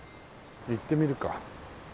行ってみるか。